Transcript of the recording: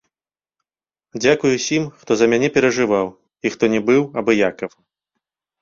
Дзякуй усім, хто за мяне перажываў і хто не быў абыякавым!